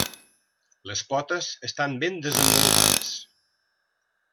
Les potes estan ben desenvolupades.